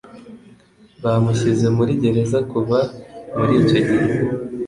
bamushyize muri gereza kuva muri icyo gihe